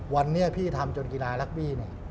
วันนี้พี่ทำจนกีฬารักบี้เนี่ย